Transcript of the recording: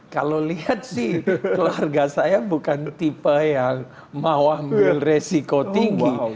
kalau lihat sih keluarga saya bukan tipe yang mau ambil resiko tinggi